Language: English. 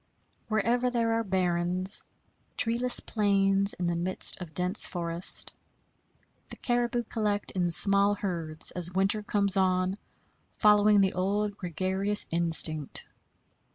Wherever there are barrens treeless plains in the midst of dense forest the caribou collect in small herds as winter comes on, following the old gregarious instinct.